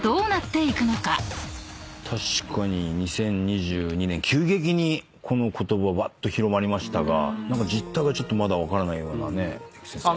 確かに２０２２年急激にこの言葉わっと広まりましたが実態がまだ分からないようなね。